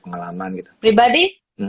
pengalaman gitu pribadi